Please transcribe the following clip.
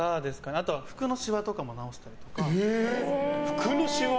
あとは、服のしわとかも直したりとか。